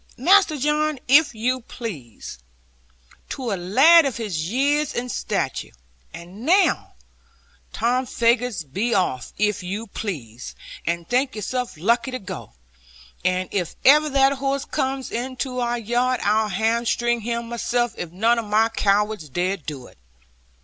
Master John, if you please, to a lad of his years and stature. And now, Tom Faggus, be off, if you please, and think yourself lucky to go so; and if ever that horse comes into our yard, I'll hamstring him myself if none of my cowards dare do it.'